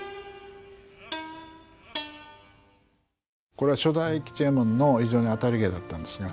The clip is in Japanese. これは初代吉右衛門の非常に当たり芸だったんですね。